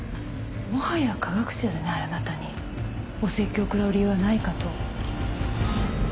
もはや科学者でないあなたにお説教を食らう理由はないかと。